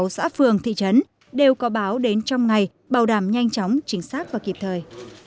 xã phường thị trấn đều có báo đến trong ngày bảo đảm nhanh chóng chính xác và kịp thời